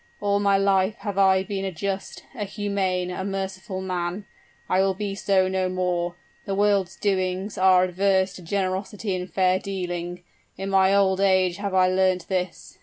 All my life have I been a just a humane a merciful man; I will be so no more. The world's doings are adverse to generosity and fair dealing. In my old age have I learnt this!